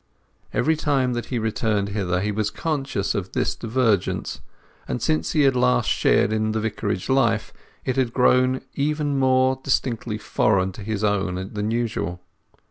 Every time that he returned hither he was conscious of this divergence, and since he had last shared in the Vicarage life it had grown even more distinctly foreign to his own than usual.